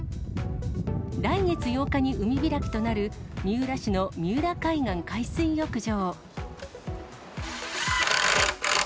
来月８日に海開きとなる、三浦市の三浦海岸海水浴場。